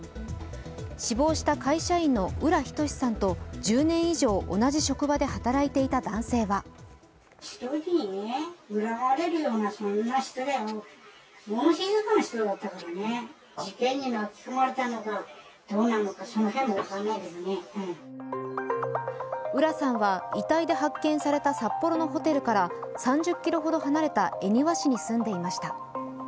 死亡した会社員の浦仁志さんと１０年以上、同じ職場で働いていた男性は浦さんは遺体で発見された札幌のホテルから３０ｋｍほど離れた恵庭市に住んでいました。